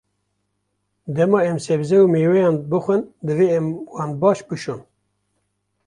Dema em sebze û mêweyan bixwin, divê em wan baş bişon.